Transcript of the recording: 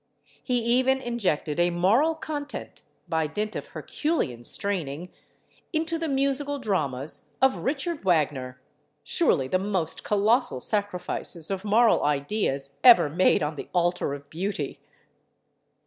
He even injected a moral content (by dint of herculean straining) into the music dramas of Richard Wagner—surely the most colossal sacrifices of moral ideas ever made on the altar of beauty!